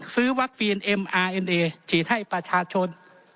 ซื้อวัคซีนเอ็มอาร์เอ็นเอฉีดให้ประชาชน